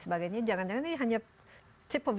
sebagainya jangan jangan ini hanya tip of